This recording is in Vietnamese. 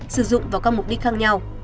sử dụng vào các mục đích khác nhau